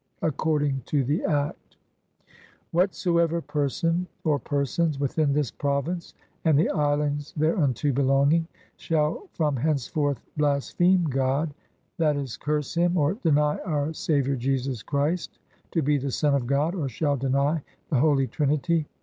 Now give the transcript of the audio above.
Ac cording to the Act,' Whatsoever person or persons within this Province and the Islands thereunto belonging, shall from henceforth blaspheme God, that is curse him, or deny our Saviour Jesus Christ to bee the sonne of God, or shall deny the holy Trinity